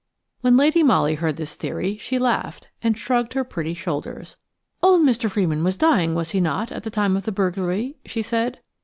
2 WHEN Lady Molly heard this theory she laughed, and shrugged her pretty shoulders. "Old Mr. Frewin was dying, was he not, at the time of the burglary?" she said.